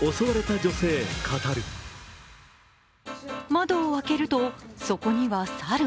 窓を開けるとそこには猿。